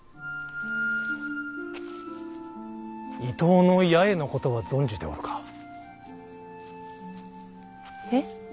伊東の八重のことは存じておるか。